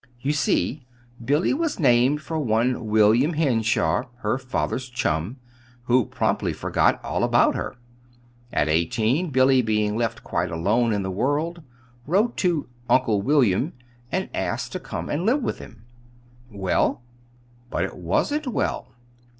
You see, Billy was named for one William Henshaw, her father's chum, who promptly forgot all about her. At eighteen, Billy, being left quite alone in the world, wrote to 'Uncle William' and asked to come and live with him." "Well?" "But it wasn't well.